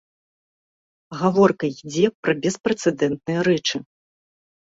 Гаворка ідзе пра беспрэцэдэнтныя рэчы.